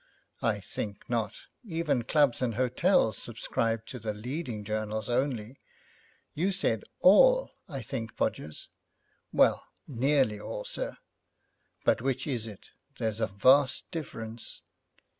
'I think not. Even clubs and hotels subscribe to the leading journals only. You said all, I think, Podgers?' 'Well, nearly all, sir.' 'But which is it? There's a vast difference.'